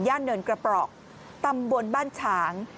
ย่านเหนินกระเปราะตำบวนบ้านฉาง